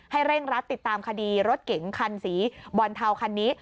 เร่งรัดติดตามคดีรถเก๋งคันสีบอลเทาคันนี้